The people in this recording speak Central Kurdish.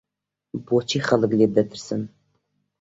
بۆچی خەڵک لێت دەترسن؟